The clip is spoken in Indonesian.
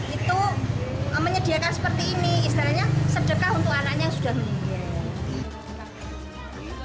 itu menyediakan seperti ini istilahnya sedekah untuk anaknya yang sudah meninggal